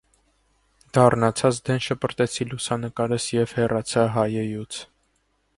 Դառնացած դեն շպրտեցի լուսանկարս և հեռացա հայեյուց…